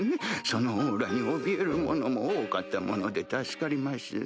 そのオーラにおびえる者も多かったもので助かります。